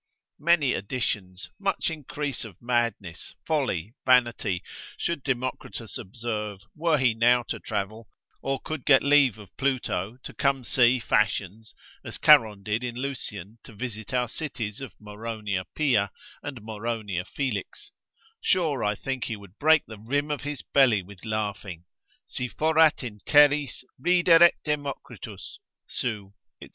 Many additions, much increase of madness, folly, vanity, should Democritus observe, were he now to travel, or could get leave of Pluto to come see fashions, as Charon did in Lucian to visit our cities of Moronia Pia, and Moronia Felix: sure I think he would break the rim of his belly with laughing. Si foret in terris rideret Democritus, seu, &c.